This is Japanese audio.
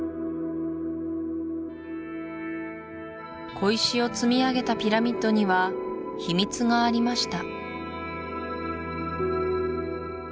小石を積み上げたピラミッドには秘密がありました